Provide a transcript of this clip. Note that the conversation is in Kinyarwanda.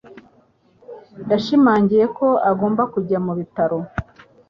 Yashimangiye ko agomba kujya mu bitaro.